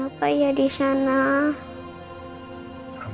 apa yang kita lakukan